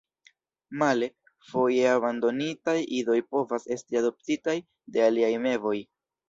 Male, foje abandonitaj idoj povas esti adoptitaj de aliaj mevoj.